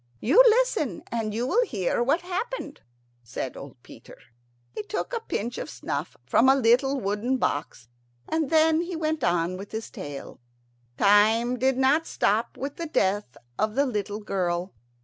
You listen, and you will hear what happened," said old Peter. He took a pinch of snuff from a little wooden box, and then he went on with his tale. Time did not stop with the death of the little girl.